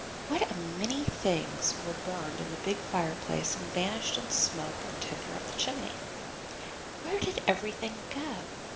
What a many things were burned in the big fireplace and vanished in smoke or tinder up the chimney! Where did everything go?